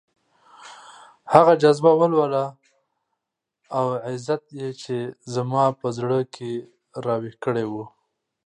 هغه جذبه، ولوله او عزت يې چې زما په زړه کې راويښ کړی وو.